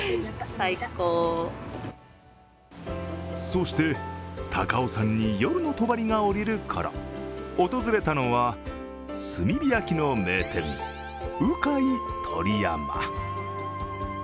そして、高尾山に夜のとばりがおりるころ訪れたのは炭火焼きの名店、うかい鳥山。